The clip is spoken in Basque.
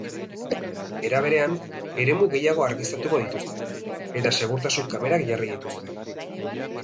Era berean, eremu gehiago argiztatuko dituzte, eta segurtasun kamerak jarri dituzte.